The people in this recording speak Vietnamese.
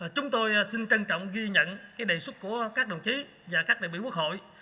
chúng tôi xin trân trọng ghi nhận đề xuất của các đồng chí và các đại biểu quốc hội